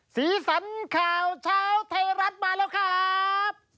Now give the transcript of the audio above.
สีสันข่าวเช้าไทยรัฐมาแล้วครับ